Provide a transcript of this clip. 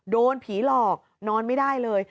โดนผีหลอกนอนไม่ได้เลย